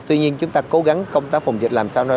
tuy nhiên chúng ta cố gắng công tác phòng dịch làm sao